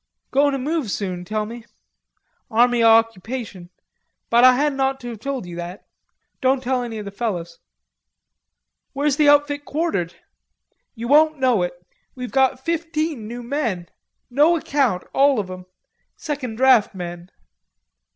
"Goin' to move soon, tell me.... Army o' Occupation. But Ah hadn't ought to have told you that.... Don't tell any of the fellers." "Where's the outfit quartered?" "Ye won't know it; we've got fifteen new men. No account all of 'em. Second draft men."